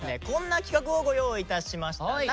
こんな企画をご用意いたしました。